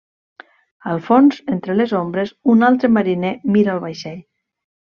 Al fons, entre les ombres, un altre mariner mira al vaixell.